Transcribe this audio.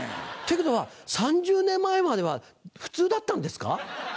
っていうことは３０年前までは普通だったんですか？